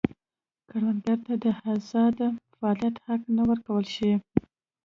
کروندګرو ته د ازاد فعالیت حق نه و ورکړل شوی.